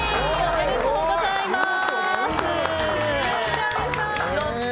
おめでとうございます！